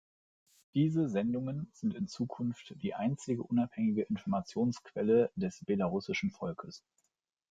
Diese Sendungen sind in Zukunft die einzige unabhängige Informationsquelle des belarussischen Volkes.